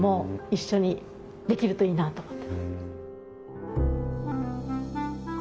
一緒にできるといいなと思ってます。